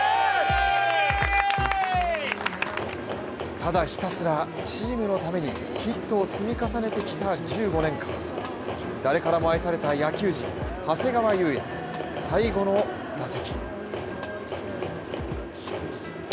ただひたすらチームのためにヒットを積み重ねてきた１５年間誰からも愛された野球人長谷川勇也、最後の打席。